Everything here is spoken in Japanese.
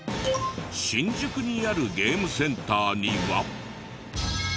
新宿にあるゲームセンターには。